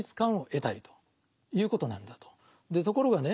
ところがね